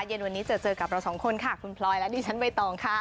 เย็นวันนี้เจอเจอกับเราสองคนค่ะคุณพลอยและดิฉันใบตองค่ะ